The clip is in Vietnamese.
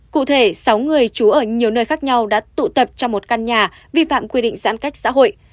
cụ thể sáu người trú ở nhiều nơi khác nhau đã tụ tập trong một căn nhà vi phạm quy định giãn cách xã hội